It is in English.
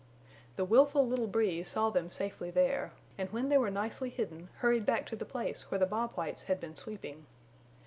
The willful little Breeze saw them safely there, and when they were nicely hidden hurried back to the place where the Bob Whites had been sleeping.